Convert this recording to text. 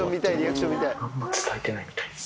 まだ伝えてないみたいです。